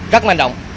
rất manh động